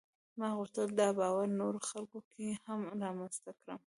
ما غوښتل دا باور نورو خلکو کې هم رامنځته کړم.